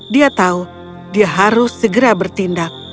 dia tahu dia harus segera bertindak